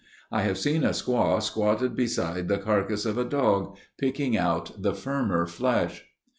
I have seen a squaw squatted beside the carcass of a dog, picking out the firmer flesh.